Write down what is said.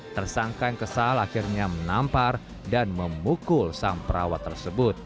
tersangka yang kesal akhirnya menampar dan memukul sang perawat tersebut